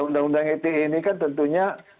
undang undang ite ini kan tentunya